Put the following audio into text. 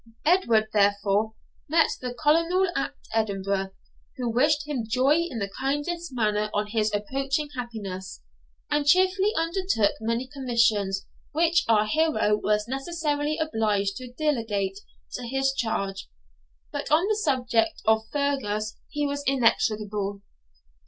Edward, therefore, met the Colonel at Edinburgh, who wished him joy in the kindest manner on his approaching happiness, and cheerfully undertook many commissions which our hero was necessarily obliged to delegate to his charge. But on the subject of Fergus he was inexorable.